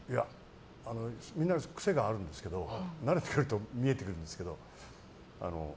みんな癖があるんですけど慣れてくると見えてくるんですけど